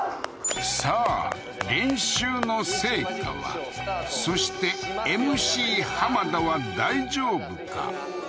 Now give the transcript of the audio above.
さあ練習の成果はそしてＭＣ田は大丈夫か？